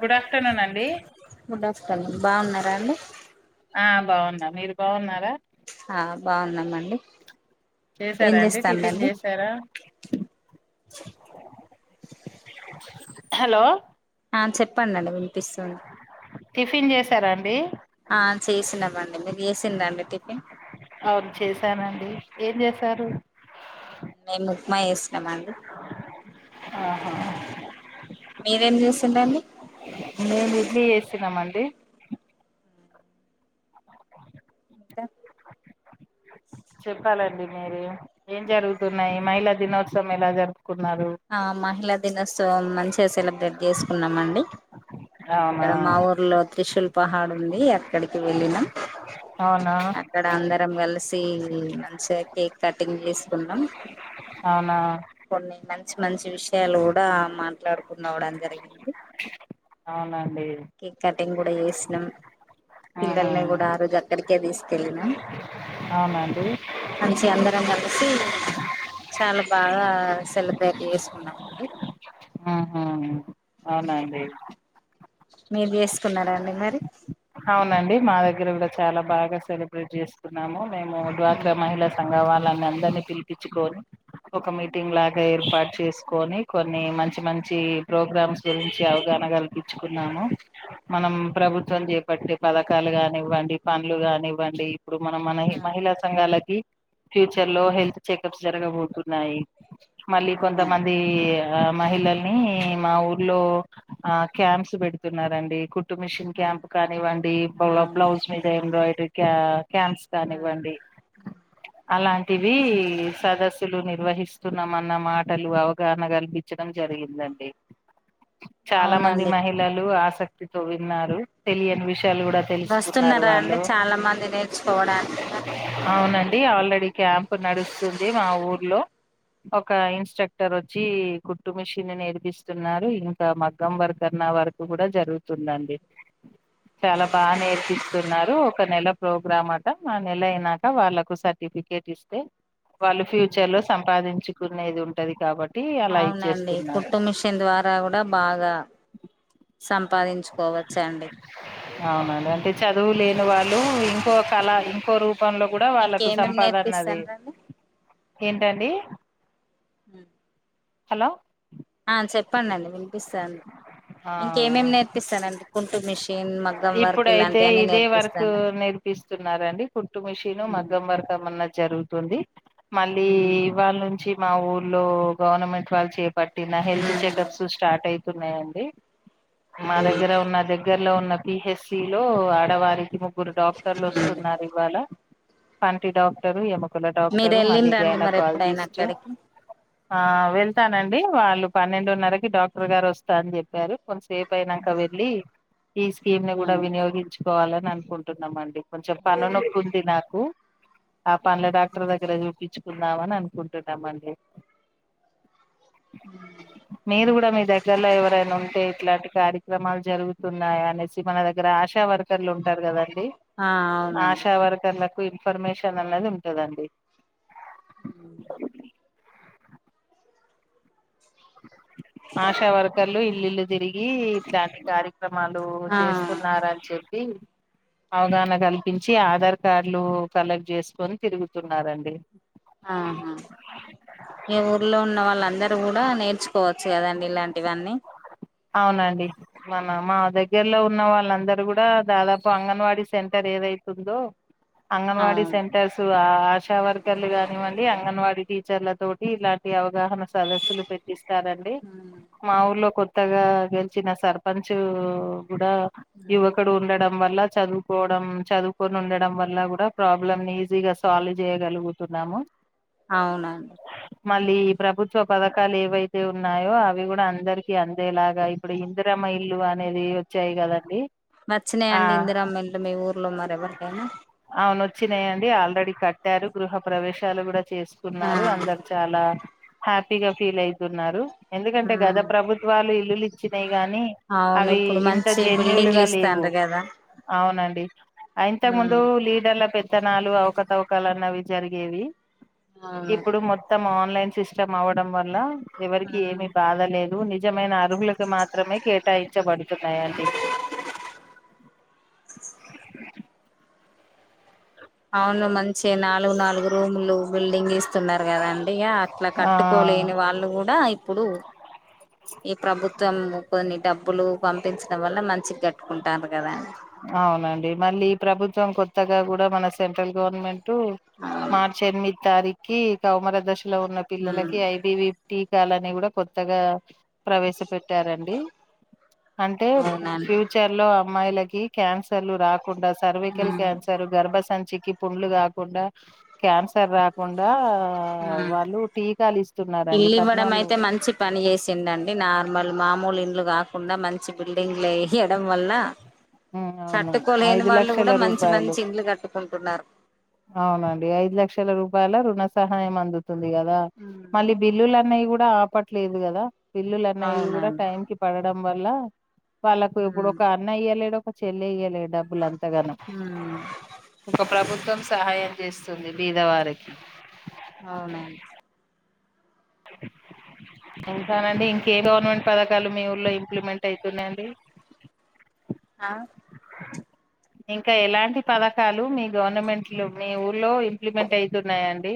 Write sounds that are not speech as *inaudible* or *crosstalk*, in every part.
Good afternoon అండి good afternoon బాగున్నారా అండి ఆ బాగుఉన్న మీరు బాగున్నారా ఆ బాగున్నామండి ఏం చేసారా అండి టిఫిన్ చేస్తాండండి చేసారా హలో ఆ చెప్పండి అండి వినిపిస్తుంది టిఫిన్ చేసారా అండి చేసిన మండి మీరు చేసిండా అండి టిఫిన్ అవును చేశానండి ఏం చేసారు మేము ఉప్మా చేసిన మండి ఆహా మీరేం చేసిన్ రండి మేము ఇడ్లీ చేసిన మండి డా చెప్పాలండి మీరు ఏం జరుగుతున్నాయి మహిళా దినోత్సవం ఎలా జరు ఆ మహిళా దినోత్సవం మంచిగా సెలబ్రేట్ చేసుకున్నాం అండి అవునా ఇక్కడ మా ఊర్లో త్రిశూల్ పహాడ్ ఉంది అక్కడికి వెళ్ళినం అవునా అక్కడ అందరం కలిసి ఇ మంచిగా కేక్ కటింగ్ చేసుకున్నాం అవునా కొన్ని మంచి మంచి విషయాలు కూడా మా మాట్లాడుకున్న కూడా జరగింది డే మేము కూడా చేసినం పిల్లల్ని కూడా ఆ రోజు అక్కడికి కే తీస్ కెళ్ళినం అవునండి మంచిగ అందరం కలిసి చాలా బాగా సెలబ్రేట్ చేసుకున్నామండి ఆ హా అవున అండి మీరు చేసుకున్నారా అండి మరి అవునండి మా దగ్గర కూడా చాలా బాగా సెలబ్రేట్ చేసుకున్నాము. మేము డ్వాక్రా మహిళా సంఘం వాళ్ వల్ల అందరినీ పిలిపిచ్చుకొని ఒక మీటింగ్ లాగా ఏర్పాటు చేసుకొని కొన్ని మంచి మంచి ప్రోగ్రామ్స్ గురించి అవగాహన కల్పించుకున్నాము మనం ప్రభుత్వం చెప్ పట్టి పథకాలు కానివ్వండి పండ్లు కానివ్వండి ఇప్పుడు మనం మన హి మహిళ సంఘాలక్ వి ఫ్యూచర్ లో హెల్త్ చెకప్స్ జరగబోతున్నాయి మళ్ళీ అవునా కొంతమంది ఆ మహిళల్ని మా ఊర్లో ఆ క్యాంప్స్ పెడుతున్నారండి కుట్ కుట్టు మిషన్ అవును క్యాంప్ ఐ వాంటియి బ్లౌ అవును బ్లౌజ్ మీద ఎంబ్రాయిడ్ ఎట్టక్య క్యాంప్స్ కానివ్వండి అలాంటివి సదస్సులు నిర్వహిస్ ఇస్తున్నామన్న మాటలు అవగాహన కల్పించడం జరిగిందండి చాలా మంది అవునండి మహిళలు ఆసక్ తితో విన్నారు తెలియని విష్ షలు తెలుసుకున్నారు వస్తున్నారా అండి వాళ్ళు చాలా మంది నేర్చుకోవడానికి అవునండి ఆల్రెడీ. ఇ క్యాంప్ నడుస్తుంది మా ఊర్లో ఒక ఇన్స్ట్రక్టర్ వచ్చి కుట్టు మిషిన్ నేర్పిస్తున్నారు ఇంకా మగ్గం వర్కన్న వర్కు కూడా జరుగుతుందండి. చాలా బాగా నేర్పిస్తున్నారు ఒక నెల ప్రోగ్రామ్ అట ఆ నెల అయినాక వాళ్ళలకు సర్టిఫికేట్ ఇస్తే వాళ్ళు ఫ్యూచర్ లో సంపాదించుకునేది ఉంటది కాబట్ అవునండి కుట్టు మిషన్ ద్వారా కూడా బాగా. సంపాదించుకోవచ్చండి అవునండి అంటే చదువు లేనివాళ్ళు ఇంకో. అలా ఇంకోరూప్ పం లో కూడా వాళ్ళకు ఇంకేమేమి సంపాదన్నది. నేర్పిస్తారండి ఏంటండి. హ్మ్ హలో. ఆ చెప్పండండి వినిపిస్సాంది ఇంకేమె ఆ మగ్గం వర్క్ ఇప్పుడైతే ఇలాంటివన్నీ ఇదే వర్క్ నేర్పిస్తాను నేర్పిస్తున్నారండి కుట్టు మిషిను మగ్గం వర్క్ ఎమన్న. జరుగుతుంది మళ్ళీ ఇవాల్నుంచి మా ఊర్లో గవర్నమెంట్ వాళ్ళు చె పట్టిన హెల్త్ చెకప్స్ స్టార్ట్ అయ్ తున్నాయండి మా దగ్గర ఉన్న దగ్గర్ లో ఉన్న పిహెస్సి లో ఆడవారికి ము గ్గురు డాక్టర్లు వస్తున్నారు ఇవాళ పంటి డాక్టర్లు ఎము మీరు వెళ్ళిండ్రా అండి మరి ఎప్పుడైనా అక్కడికి ఆ వెళ్తానండి వాళ్ళు పన్నెండున్నరకి డాక్టర్ గారు వస్తా అని జెప్పారు సేపు అయినాంక వెళ్లి ఈ స్కీమ్ ని కూడా వినియోగించు పోవాలని అనుకుంటున్నామండి కొంచెం పను నొప్పుంది నాకు ఆ పండ్ల డాక్టర్ దగ్గర చూపిచ్చు రావన్ అనుకుంటున్నామండి మీరు కూడా మీ దగ్గరలో ఎవరైనా ఉంటే కార్యక్రమాలు జరుగుతున్నాయి అనేసి మన దగ్గర ఆశా వర్ ర్కర్లు ఉంటారు కదండి ఆ అవునండి ఆశా వర్కర్ల ఇన్ఫర్మేషన్ అన్నది ఉంటదండి అ ఆశా వర్కర్లు ఇల్లుల్లు తిరిగి ఇట్లాంటి కారి క్రమాలు ఆ చేస్తున్నార అని చెప్ అవగాహన కల్పించి ఆధార్ కార్డులు కలెక్ట్ చేసుకొని తిరుగుతున్నారండి ఆహా మీ ఊర్లో ఉన్న వాళ్ళందరు కూడా నేర్చు కోవచ్చు కదండి ఇలాంటివన్నీ అవునండి మన మా దగ్గరలో ఉన్న వాళ్ళందరూ కూడా దాదాపు అంగన్వాడీ సెంటర్ ఏదైతుందో, అంగన్వాడి అవును సెంటర్సు ఆ ఆశా వర్కర్లు కానివ్వండి అంగన్వాడీ టీచర్ల తోటి ఇలాంటి అవగాహన సదస్సులు పెట్టిస్ తారండి మా ఊర్లో కొ త్తగా గెలిచిన సర్పంచు కూడా యువకుడు ఉండడం మల్ల చదువుకోవడం చదువుకొని ఉండడం వల్ల కూడా ప్రాబ్లం ఈజీ గా సాల్వ్ చేయగలుగుతున్నాము అవునండి మళ్ళీ ఈ ప్రభుత్వ పథకాలు ఏవైతే ఉన్నాయో అవి కూడా అందరికి అన్ అదేలాగా ఇప్పుడు ఇందిరమ్మ ఇల్లు అనేది వచ్చాయి కదండి ఆ వచ్చినాయండి ఇందిరామ్మ ఇల్లు మీ ఊర్లో మరి ఎవరికైనా అవును వచ్చినాయండి ఆల్రెడీ కట్టారు గృహ ప్రవేశాలు కూడా ఆ చేసుకున్నారు అందరు చాలా హ్యాపీగా ఫీల్ ఐతున్నారు ఎందుకంటే గత ప్రభుత్ ఇల్లులు ఇచ్చినయి కానీ అవును అవి ఇప్పుడు ఇంత మంచి జన్యూల్ బిల్డింగ్లు గా లేవు ఇస్తాండ్రు కదా అవునండి ఇంతకు ముందు ఉమ్ లీడర్ల పెత్తనాలు అవకతవకలు అన్నవి జరిగేవి అవును ఇప్పుడు మొత్తం ఆన్ లైన్ సిస్టమ్ అవ్వడం వల్ల ఆ ఎవరికీ ఏమీ బాధ లే *inaudible* జమైనా ర్హులకు మాత్రమే కేటాయించబడుతున్నాయండి అవును మన్ చ్చి నాలుగు నాలుగు రూములు బిల్డింగ్ ఇస్తున్నరు కదండి ఇగ అట్ల ఆ కట్టుకోలేని వాళ్ళు కూడా ఇప్పుడు ఈ ప్రభుత్వం కొన్ని డబ్బులు పంపించడం వల్ల మంచిగ కట్టుకుంటాంరు అవునండి మళ్ళీ ప్రభుత్వం కొత్ త్తగా కూడా మన సెంట్రల్ గవర్న్మెన్ టు అవును మార్చ్ ఎనిమిది తారీఖు కీ కౌమార దశ లో ఉన్న ఉమ్ పిల్లలకి ఐ బి వి టీ త్యాల్లని కూడా కొత్తగా ప్రవేశ పెట్టారండి అంటే అవునండి ఫ్యూచర్ లో అమ్మాయిలకి క్యాన్సర్లు రాకు కుండా సర్వికల్ ఉమ్ క్యాన్సర్ గర్భ సంచి కి పుండ్లు కాకుండా క్యాన్సర్ రాకు ఆ టీకాలు ఇస్తున్నారండి ఇల్లు ఇవ్వడం పద్నాలుగు అయితే మంచి పని చేసిండండి నార్మల్ మామూలు ఇండ్లు కా కుండా మంచి బిల్డింగ్లు ఏసి వేయడం వల్ల అవును కట్టుకోలేని ఐదు వాళ్ళు లక్షల కూడా మంచి రూపాయలు మంచి ఇండ్లు కట్టుకుంటున్నారు అవునండి ఐదు లక్షల రూపాయల రుణ సహాయం అందుతుంది తుంది కదా ఉమ్ మళ్ళీ బిల్లులు అన్నయి కూడా ఆ ఆపట్లేదు కదా బిల్లులన్నవి కూడా అవునండి టైం కి పడడం వల్ల వాళ్ళలకు ఇప్పుడు హ్మ్ ఒక అన్నయ్య లేడు ఒక చెల్లియలే డబ్బుల అంతగానం హ్మ్ ఒక ప్రభుత్వం సహాయం చేస్త వస్తుంది బీదవారికి అవునండి ఇంకానండి ఇంకే గవర్నమెంట్ పథకాలు మీ ఊర్లో ఇంప్లిమెంట్ అవుతున్నాండి ఆ ఇంకా ఎలాంటి పథకాలు మీ గవర్నమెంట్లు మీ ఊర్లో ఇంప్లిమెంట్ అయితున్నాయండి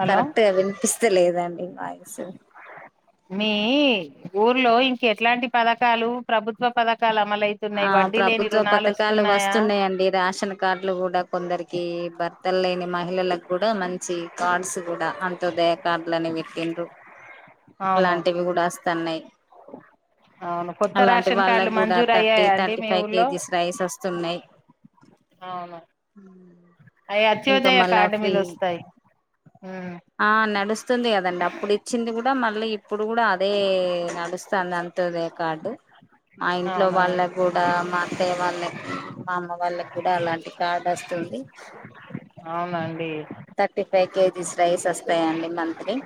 హలో కరెక్ట్గా వినిపిస్త లేదండి వాయిసు మీ ఊర్లో ఇంక ఎట్లాంటి పథకాలు ప్రభుత్వ పథకా ఆ ప్రభుత్వ పథకాలు వస్తున్నాయా వస్తున్నాయండి రాేషన్ కార్డులు కూడా కొందరికి బర్త తల్లని మహిళలకు కూడా మంచి కార్డ్స్ కూడా అంత దయ కార్డు అనేవి ఎందుకు అవును అలాంటివి కూడా వస్తున్నాయి అవును కొత్త అలాంటి రేషన్ కార్డులు వాళ్ళకి కూడా మంజూరు థర్టీ అయ్యాయా అండి థర్టీ మీ ఫైవ్ ఊర్లో కేజీస్ రైస్ వస్తున్నాయి్ అవును అవి ఇంకా అత్యోదయ మళ్ళా కార్డు ఫ్రీ మీద వస్తాయి ఉమ్ ఆ నడుస్తుంది కదండి అప్పుడు ఇచ్చింది కూడా మళ్ళీ ఇప్పుడు కూడా అదే నడుస్తుంది అంతదే కార్డు మా ఇంట్లో అవునా వాళ్ళ కూడా మా అత్తే వాళ్ని మా అమ్మ వాళ్ళకి కూడా అలాంటి కార్డ్ వస్తుంది అవునండి థర్టీ ఫైవ్ కేజీస్ రైస్ వస్తాయండి మంత్లీ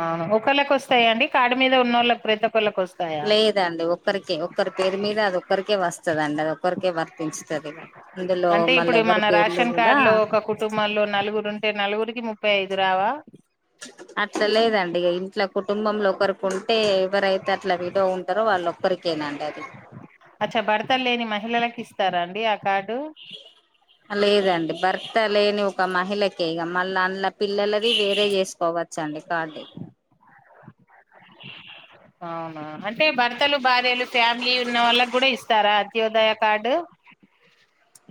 అవును ఒకళ్ళకి వస్తాయిండి కార్డ్ మీద ఉన్నవాళ్ళకి ప్రతి ఒక్కళ్ళకి వస్తాయా లేదండి ఒకరికే ఒకక్కరి పేరు మీద అదొక్కరికే వస్తదండి అదొక్కరికే వర్తించుతది అందులో అంటే మళ్ళీ ఇప్పుడు ఎవరి మన పేర్లు రేషన్ కూడా కార్డు లో ఒక కుటుంబంలో నలుగురు ఉంటే నలుగురి ముప్పై ఐదు రావా అట్లా లేదండి ఇక ఇంట్లో కుటుంబంలో ఒకరికి ఉంటే ఎవరైతే అట్లా వీడో ఉంటారో వాళ్ళొక్కరికేనాండి అది స్తార అండి ఆ కార్డు ఆ లేదండి భర్త లేని ఒక మహిళ ఇగ మళ్ళ అంద్ పిల్లలది వేరే చేసుకోవచ్చ అండి కార్డ్ అవునా అంటే భర్తలు భార్యలు ఫ్యామిలీ ఉన్న వాళ్ళకి కూడా ఇస్తారా అత్యోదయ కార్డు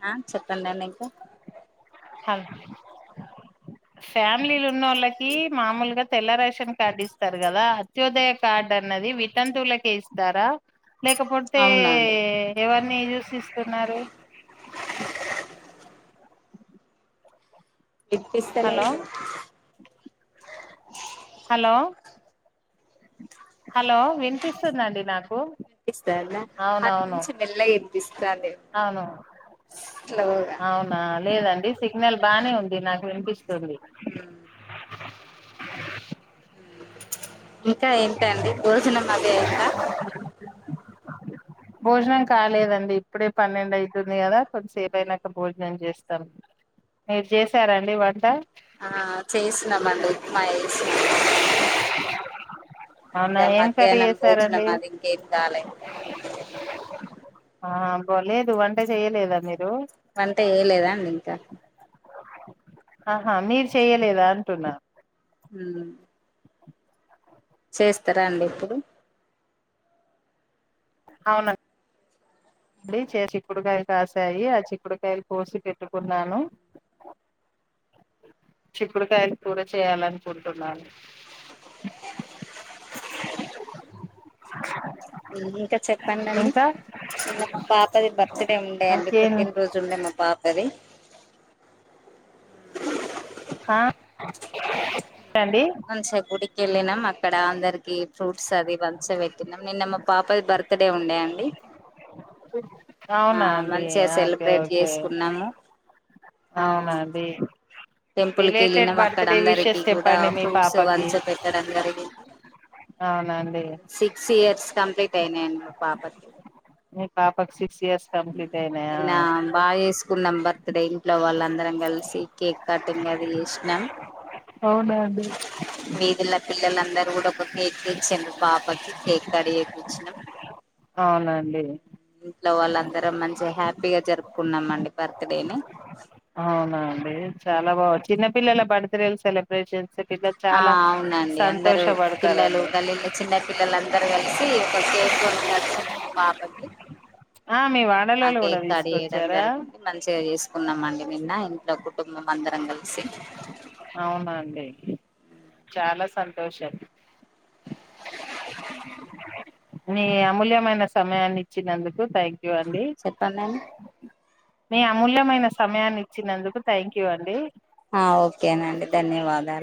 ఆ చెప్పండిండి ఇంకా ఆ ఫ్యామిలీలు ఉన్నోళ్లకి మామూలుగా తెల్లరైస్ షన్ కార్డు ఇస్తారు కదా అత్యోదయ కార్డు అన్నది వితంతువుల కె ఇస్తారా లేకపోతే అవునా అండి ఎవరిని చూసిస్తున్నారు వినిపిస్తే హలో లేదు హలో హలో వినిపిస్తుందిండి నాకు అటు అవునవును నుంచి మెల్లగా వినిపిస్తాంది అవును అవునా లేదండి సిగ్నల్ బానే ఉంది నాకు వినిపిస్తుంది ఇంకా ఏంటండీ భోజనం అది అయిందా భోజనం కాలేదండి ఇప్పుడే పన్నెండు అయితుంది కదా కొంచసేపు అయినాక భోజనం చేస్తాం మీరు చేసారాండి వంట ఆ చేసినామండి మా చేసినం అవునా ఏం కర్రీ చేసారండి అది ఇంకేం కాలే ఆ బో లేదు వంట చేయలేదు *inaudible* వంట చేయ లేదా అండి ఇంకా ఆహా మీరు చేయ్యలేదా అంటున్నా ఊ చేస్తరా అండి ఇప్పుడు అవునా అడి చిక్కుడుకాయలు కాశాయి ఆ చిక్కుడుకాయలు కోసి పెట్టుకున్నాను చిక్కుడుకాయలు కూర చేయాలనుకుంటున్నాను ఇంకా చెప్పండండి ఇంకా చిన్న పా పాపది బర్త్ డే ఉండే అండి ఇంకేం పుట్టినరోజు ఉండే మా పా పాపది ఆ అండి మంచిగా గుడికెళ్ళినం అక్ అక్కడ అందరికి ఫ్రూట్స్ అది మంచిగా పెట్టినాము నిన్న మా పాప బర్త్ డే ఉండే అండి అవునా అండి మంచిగా ఆ సెలబ్రేట్ చేసుకున్నాము ఆ అవునండి టెంపుల్ కెళ్ళినం అక్కడ విషెస్ అందరికి కూడా చెప్పండి మీ ఫ్రూట్స్ పాపకి పంచిపెట్టడం జరిగింది అవునండి సిక్స్ ఇయర్స్ కంప్లీట్ అత్తేనే మ పాప కి మీ పాపకి సిక్స్ ఇయర్స్ కంప్లీట్ అయినాయా నిన్న బాగా చేస్తుకున్నం బర్ ఇక్కడ ఇంట్లో వాళ్ళందరం కలిసి కేక్ కటింగ్ అది చేసినాం అవునండి వీధిల పిల్లలందరూ కూడా ఒక కేక్ తెచ్చిండ్రు పాపకి కేక్ కడు చెయ్ పిచ్చినం అవునండి ఇంట్లో వాళ్ళందరం మంచిగా హ్యాప్ పీగా జరుపుకున్నామండి బర్త్ డే ని అవునా అండి చాలా బా చిన్నపిల్లల బర్త్డేలు సెలబ్రేషన్స్ పిల్ల ఆ చాలా అవునండి అందరూ పిల్లలు సంతోషపడతారండి గల్లిల చిన్న పిల్లలందరు కలిసి ఒక కేక్ కొనుకొచ్చిర్రు మా పాపకి ఆ మీ ఆ వాడలోళ్ళు కూడా కేక్ కట్ చేయడం తీసుకొచ్చారా జరిగింది మంచిగా చేసుకున్నాం అండి నిన్న ఇంట్లో కుటుంబం అందరం కలిసి అవునండి చాలా సంతోషం నీ అమూల్యమైన సమయాన్నిచ్చినందుకు తాన్ చెప్పండి అండి. మీ అమూల్యమైన సమయాన్ని చ్చినందుకు థ్యాంక్ యూ అండి ఆ ఓకే నండి ధన్యవాదాలు